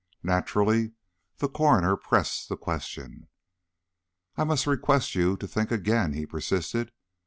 Naturally the coroner pressed the question. "I must request you to think again," he persisted.